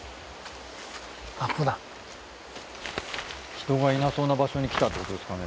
人がいなそうな場所に来たってことですかね。